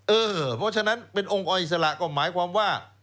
เพราะฉะนั้นเป็นองค์กรอิสระก็หมายความว่า